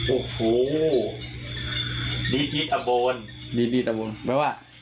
โอ้โหดีดดีดอบโบนดีดดีดอบโบนไม่ว่า